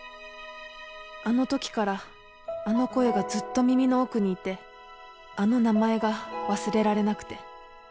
あの時からあの声がずっと耳の奥にいてあの名前が忘れられなくて